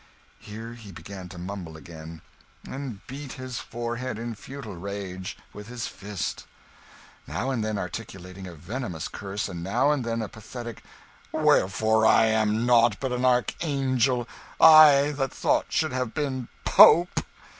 Here he began to mumble again, and beat his forehead in futile rage, with his fist; now and then articulating a venomous curse, and now and then a pathetic "Wherefore I am nought but an archangel I that should have been pope!"